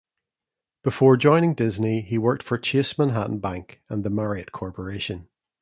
Before joining Disney, he worked for Chase Manhattan Bank and the Marriott Corporation.